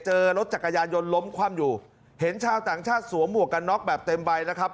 เจอรถจักรยานยนต์ล้มคว่ำอยู่เห็นชาวต่างชาติสวมหมวกกันน็อกแบบเต็มใบนะครับ